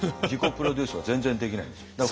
自己プロデュースは全然できないんですよ。